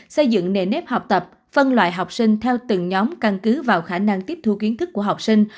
xây dựng nề nếp học tập phân loại học sinh theo từng nhóm căn cứ vào khả năng tiếp thu kiến thức của học sinh